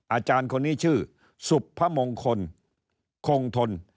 อาจารย์คนนี้ชื่อสุพมงคลคงทน